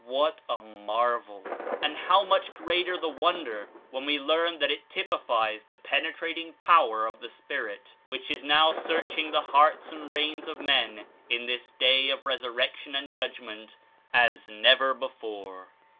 What a marvel! and how much greater the wonder when we learn that it typifies the penetrating power of the Spirit, which is now^ search ing the hearts and reins of men in this Day of Resur rection and Judgment as never before.